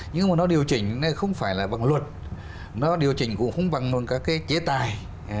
nhưng mà nó điều chỉnh không phải là bằng luật nó điều chỉnh cũng không bằng các cái chế tài